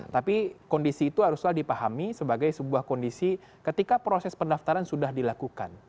tapi kondisi itu haruslah dipahami sebagai sebuah kondisi ketika proses pendaftaran sudah dilakukan